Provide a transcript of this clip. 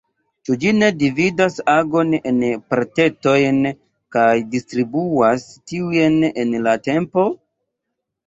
Ĉu ĝi ne dividas agon en partetojn kaj distribuas tiujn en la tempo?